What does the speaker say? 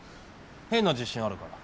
変な自信あるから。